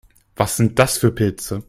Was sind das für Pilze?